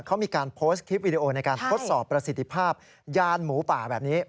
เขามีการโพสต์คลิปวิดีโอในการทดสอบประสิทธิภาพยานหมูป่าแบบนี้